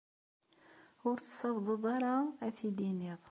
Ur tessawaḍeḍ ara ad t-id-tiniḍ.